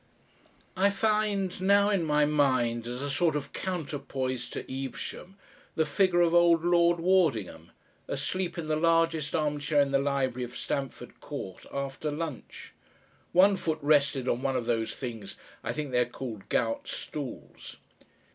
I find now in my mind as a sort of counterpoise to Evesham the figure of old Lord Wardingham, asleep in the largest armchair in the library of Stamford Court after lunch. One foot rested on one of those things I think they are called gout stools.